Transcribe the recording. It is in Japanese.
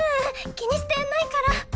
気にしてないから。